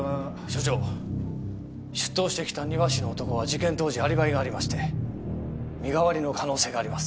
署長出頭してきた庭師の男は事件当時アリバイがありまして身代わりの可能性があります。